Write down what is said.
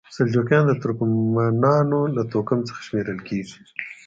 سلجوقیان د ترکمنانو له توکم څخه شمیرل کیږي.